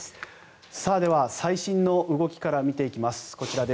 では、最新の動きから見ていきます。